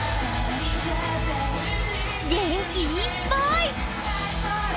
元気いっぱい！